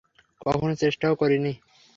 কখনো চেষ্টাও করিনি।